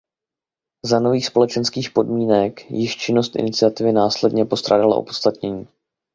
Za nových společenských podmínek již činnost iniciativy následně postrádala opodstatnění.